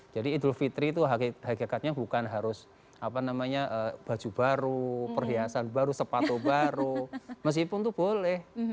jadi idul fitri itu hakikatnya bukan harus apa namanya baju baru perhiasan baru sepatu baru meskipun itu boleh